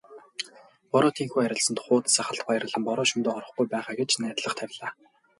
Бороо тийнхүү арилсанд хууз сахалт баярлан "Бороо шөнөдөө орохгүй байгаа" гэж найдлага тавилаа.